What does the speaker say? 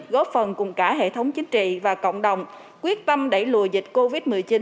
góp phần cùng cả hệ thống chính trị và cộng đồng quyết tâm đẩy lùi dịch covid một mươi chín